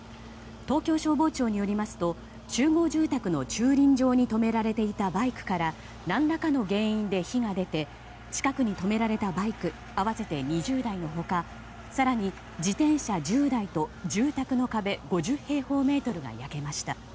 東京消防庁によりますと集合住宅の駐輪場に止められていたバイクから何らかの原因で火が出て近くに止められたバイク合わせて２０台の他更に自転車１０台と住宅の壁５０平方メートルが焼けました。